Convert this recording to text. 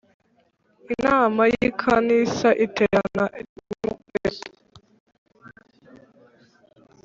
Inama y I Kanisa iterana rimwe mu kwezi